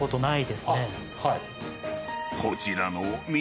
［こちらの見